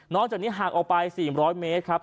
จากนี้ห่างออกไป๔๐๐เมตรครับ